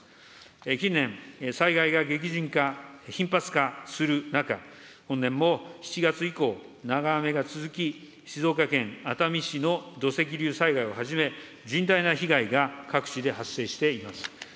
近年、災害が激甚化・頻発化する中、本年も７月以降、長雨が続き、静岡県熱海市の土石流災害をはじめ、甚大な被害が各地で発生しています。